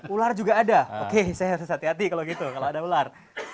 ular juga ada oke saya harus hati hati kalau gitu kalau ada ular